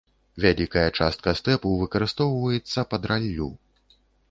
Вялікая частка стэпу выкарыстоўваецца пад раллю.